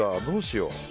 どうしよう。